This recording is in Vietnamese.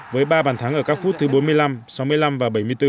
với ba bàn thắng ở các phút thứ bốn mươi năm sáu mươi năm và bảy mươi bốn